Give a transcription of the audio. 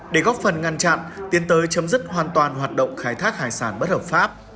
để góp phần ngăn chặn tiến tới chấm dứt hoàn toàn hoạt động khai thác hải sản bất hợp pháp